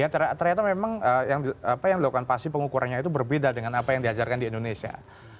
ternyata memang apa yang dilakukan pasti pengukurannya itu berbeda dengan apa yang diajarkan di indonesia